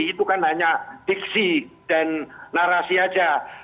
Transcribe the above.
itu kan hanya diksi dan narasi saja